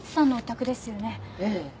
ええ。